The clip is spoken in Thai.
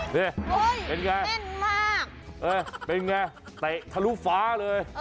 นี่เป็นอย่างไรเป็นอย่างไรแตะทะลุฟ้าเลย